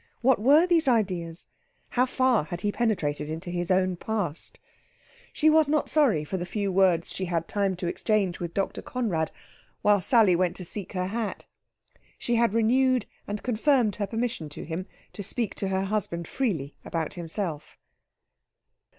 What were these ideas? How far had he penetrated into his own past? She was not sorry for the few words she had had time to exchange with Dr. Conrad while Sally went to seek her hat. She had renewed and confirmed her permission to him to speak to her husband freely about himself.